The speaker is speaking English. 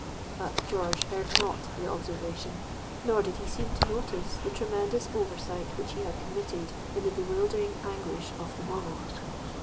'—But George heard not the observation; nor did he seem to notice the tremendous oversight which he had committed in the bewildering anguish of the moment.